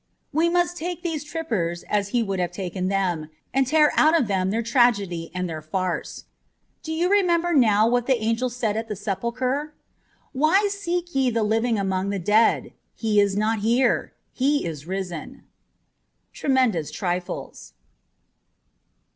We must take these trippers as he would have taken them and tear out of them their tragedy and their farce. Do you remember now what the Angel said at the Sepulchre? 'Why seek ye the living among the dead ? He is not here ; He is risen. '' Tremendous Trifles.